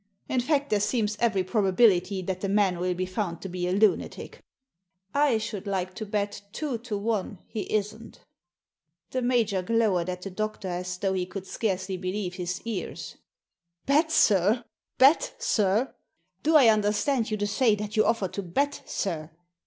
In fact, there seems every probability that the man will be found to be a lunatic.*' " 1 should like to bet two to one he isn't The major glowered at the doctor as though he could scarcely believe his ears. " Bet, sir ! bet, sir ! Do I understand you to say that you offer to bet, sir?